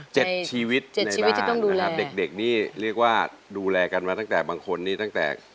ชีวิตในบ้านนะครับเด็กเด็กนี่เรียกว่าดูแลกันมาตั้งแต่บางคนนี้ตั้งแต่